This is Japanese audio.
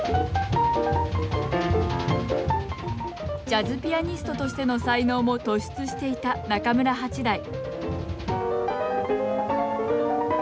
ジャズピアニストとしての才能も突出していた中村八大